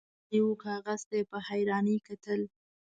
ګرګين غلی و، کاغذ ته يې په حيرانۍ کتل.